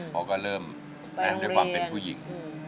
เขาก็เริ่มด้วยความเป็นผู้หญิง